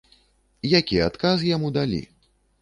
Які адказ яму далі?